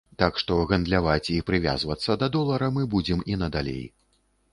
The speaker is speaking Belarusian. Так што гандляваць і прывязвацца да долара мы будзем і надалей.